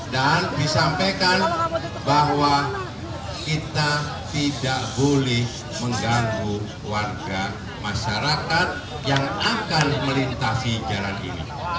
dan disampaikan bahwa kita tidak boleh mengganggu warga masyarakat yang akan melintasi jalan ini